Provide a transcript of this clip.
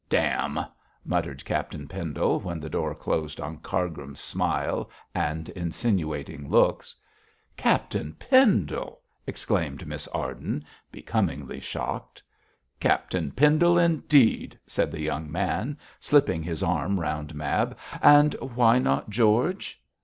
'Damn!' muttered Captain Pendle, when the door closed on Cargrim's smile and insinuating looks. 'Captain Pendle!' exclaimed Miss Arden, becomingly shocked. 'Captain Pendle indeed!' said the young man, slipping his arm round Mab; 'and why not George?'